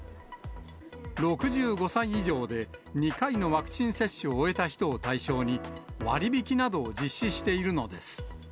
６５歳以上で２回のワクチン接種を終えた人を対象に、割引などを実施しているのです。